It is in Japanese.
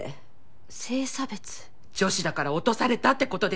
女子だから落とされたってことです。